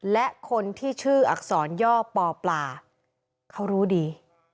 และคนที่ชื่ออักษรย่อปอปลาเขารู้ดี